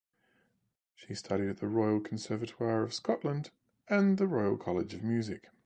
She studied at the Royal Conservatoire of Scotland and the Royal College of Music.